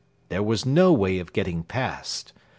There was no way of getting past.